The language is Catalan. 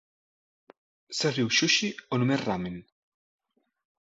Serviu sushi, o només ramen?